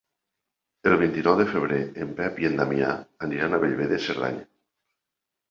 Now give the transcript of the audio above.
El vint-i-nou de febrer en Pep i en Damià aniran a Bellver de Cerdanya.